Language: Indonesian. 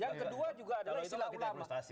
yang kedua juga adalah istilah ulama